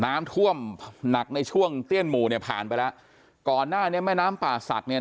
น้ำท่วมหนักในช่วงเตี้ยนหมู่เนี่ยผ่านไปแล้วก่อนหน้านี้แม่น้ำป่าศักดิ์เนี่ย